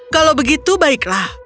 kalau begitu baiklah